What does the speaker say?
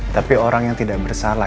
tapi orang yang tidak bersalah